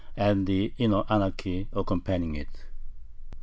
and the inner anarchy accompanying it.